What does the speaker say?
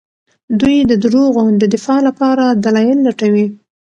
دوی د دروغو د دفاع لپاره دلايل لټوي.